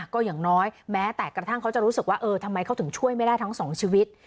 ก็อย่างน้อยแม้แต่กระทั่งเขาจะรู้สึกว่าเออทำไมเขาถึงช่วยไม่ได้ทั้งสองชีวิต